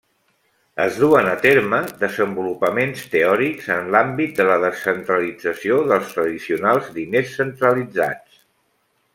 Es duen a terme desenvolupaments teòrics en l'àmbit de la descentralització dels tradicionals diners centralitzats.